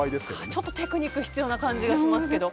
ちょっとテクニック必要な感じしますけど。